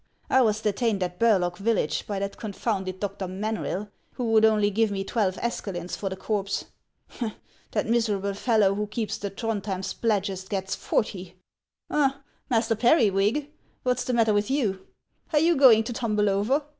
I was detained at Burlock village by that confounded Dr. Manryll, who would only give me twelve escalins for the corpse. That miserable fel low who keeps the Throndhjem Spladgest gets forty. Ha, Muster Periwig, what 's the matter with you ? Are you going to tumble over